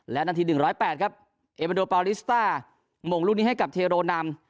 และนาที๑๐๘ครับเอเบนโดปาริสต้าหม่งลูกนี้ให้กับเทโรนำ